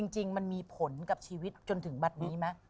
จริงมันมีผลกับชีวิตจนถึงบัตรนี้ไหม